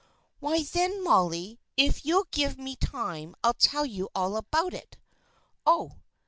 "Why, then, Molly, if you'll give me time, I'll tell you all about it!" "Oh!